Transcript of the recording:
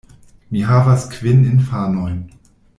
Mi havas kvin infanojn.